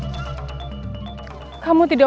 jangan takut sembara